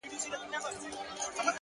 د دوامداره هڅې ځواک ناممکن ماتوي.!